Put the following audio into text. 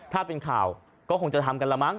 ถ้าเป็นข่าวก็คงจะทำกันละมั